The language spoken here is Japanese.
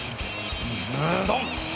ズドン。